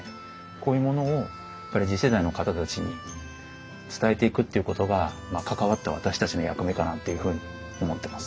こういうものをやっぱり次世代の方たちに伝えていくっていうことが関わった私たちの役目かなというふうに思ってます。